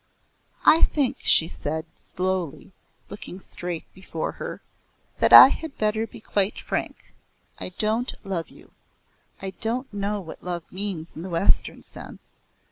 "I think," she said, slowly, looking straight before her, "that I had better be quite frank. I don't love you. I don't know what love means in the Western sense.